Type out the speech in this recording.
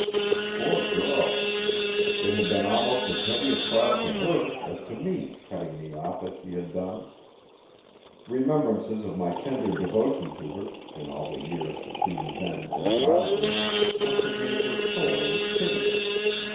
Poor girl! it had been almost as heavy a trial to her as to me' cutting me off as she had done. Remembrances of my tender devotion to her, in all the years between then and childhood, must have made her sore with pity.